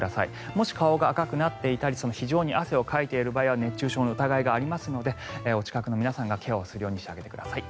もし顔が赤くなっていたり非常に汗をかいている場合は熱中症の疑いがありますのでお近くの皆さんがケアをするようにしてあげてください。